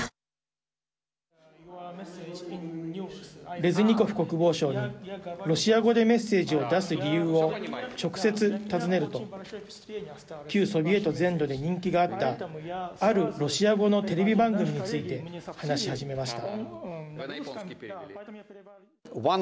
レズニコフ国防相にロシア語でメッセージを出す理由を直接尋ねると旧ソビエト全土で人気があったあるロシア語のテレビ番組について話し始めました。